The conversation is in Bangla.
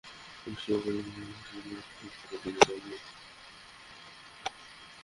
পোস্ট অপারেটিভ ওয়ার্ডে শারমিনের অবস্থা খারাপ হলেও তিনি তাঁকে দেখতে চাননি।